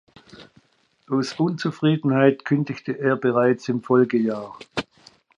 Aus Unzufriedenheit kündigte er bereits im Folgejahr.